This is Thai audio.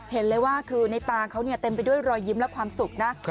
เห็นเลยว่าคือในตาเขาเต็มไปด้วยรอยยิ้มและความสุขนะ